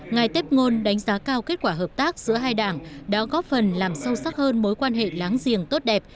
ngài tép ngôn đánh giá cao kết quả hợp tác giữa hai đảng đã góp phần làm sâu sắc hơn mối quan hệ láng giềng tốt đẹp